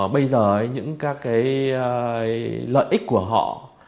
bây giờ những các cái lợi ích của họ